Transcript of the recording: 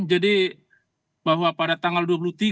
jadi bahwa pada tanggal dua puluh tiga